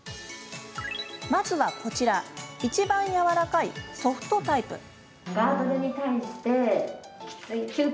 まず、こちらいちばんやわらかいソフトタイプ。